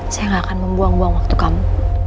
saya gak akan membuang buang waktu kamu